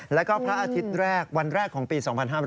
แล้วก็พระอาทิตย์แรกวันแรกของปี๒๕๕๙